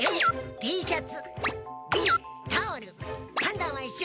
Ｔシャツ？